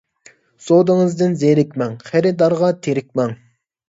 سودىڭىزدىن زېرىكمەڭ، خېرىدارغا تېرىكمەڭ.